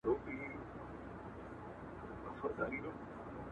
o پير که خس دئ، د مريد بس دئ!